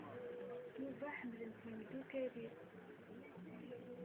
Yuba ḥemmlen-t yimeddukal-is.